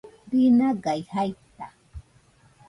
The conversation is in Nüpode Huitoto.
binagai jaita